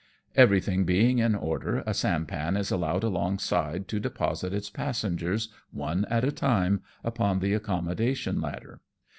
233 Eyerything being in order, a sampan is allowed alongside to deposit its passengersj one at a time, upon the accommodation ladder.